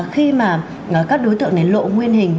khi mà các đối tượng này lộ nguyên hình